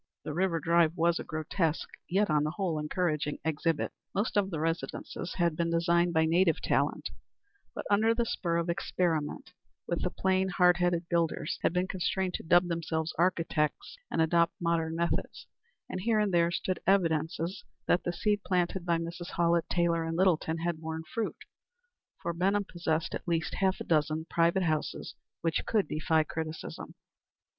The River Drive was a grotesque, yet on the whole encouraging exhibit. Most of the residences had been designed by native talent, but under the spur of experiment even the plain, hard headed builders had been constrained to dub themselves "architects," and adopt modern methods; and here and there stood evidences that the seed planted by Mrs. Hallett Taylor and Littleton had borne fruit, for Benham possessed at least half a dozen private houses which could defy criticism.